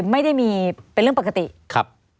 ไม่มีครับไม่มีครับ